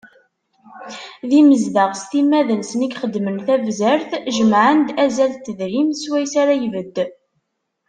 D imezdaɣ s timmad-nsen i ixeddmen tabzert, jemmɛen-d azal n tedrimt swayes ara ibedd.